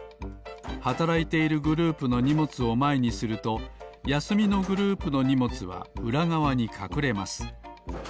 はたらいているグループのにもつをまえにするとやすみのグループのにもつはうらがわにかくれます。